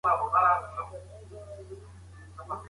په کور کي غیبت نه اورېدل کېږي.